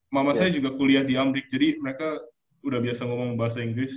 mama saya juga kuliah di amrik jadi mereka udah biasa ngomong bahasa inggris